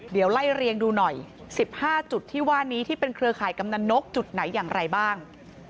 เดี๋ยวไล่เรียงดูหน่อย๑๕จุดที่ว่านี้ที่เป็นเครือข่ายกำนันนกจุดไหนอย่างไรบ้าง